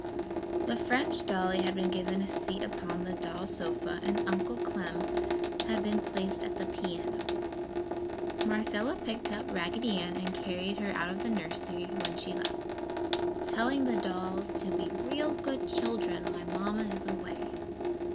The French dolly had been given a seat upon the doll sofa and Uncle Clem had been placed at the piano. Marcella picked up Raggedy Ann and carried her out of the nursery when she left, telling the dolls to "be real good children, while Mamma is away!"